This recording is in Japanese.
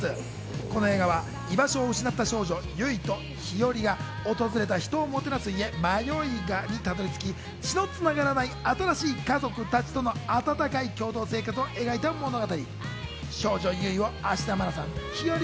この映画は居場所を失った少女・ユイとひよりが訪れた人をもてなす家、マヨイガにたどり着き、血の繋がらない新しい家族たちとの温かい共同生活を描いた物語。